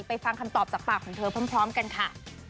ฟังคำตอบจากปากของเธอพร้อมกันค่ะ